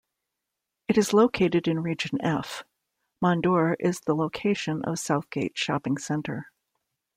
It is located in Region F. Mondeor is the location of Southgate Shopping Centre.